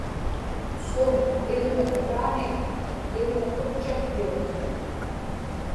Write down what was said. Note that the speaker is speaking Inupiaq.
sum igniqutaanik igniqutchiqpiuŋ